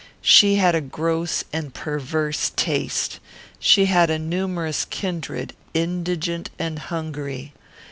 She had a gross and perverse taste. She had a numerous kindred, indigent and hungry.